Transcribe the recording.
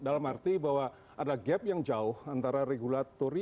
dalam arti bahwa ada gap yang jauh antara regulatory